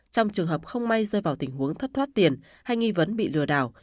trong trường hợp không may rơi vào tình huống thất thoát tiền hay nghi vấn bị lừa đảo